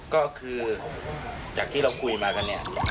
ก็คือจากที่เราคุยมากันเนี่ย